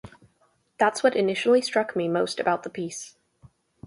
That's what initially struck me most about the piece.